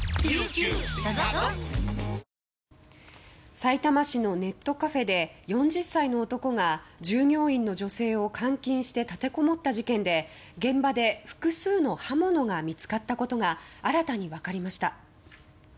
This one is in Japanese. さいたま市のネットカフェで、４０歳の男が従業員の女性を監禁して立てこもった事件で現場で複数の刃物が見つかったことが新たに分かりました。